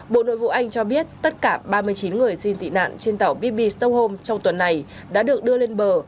bộ nội vụ anh cho biết tất cả ba mươi chín người xin tị nạn trên tàu bb stockholm trong tuần này đã được đưa lên bờ